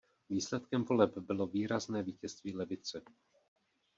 Výsledkem voleb bylo výrazné vítězství levice.